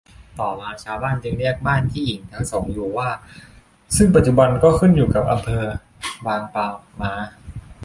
ต่อมาชาวบ้านจึงเรียกบ้านที่หญิงทั้งสองอยู่ว่า ซึ่งปัจจุบันก็ขึ้นอยู่กับอำเภอบางปลาม้า